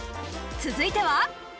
続いては。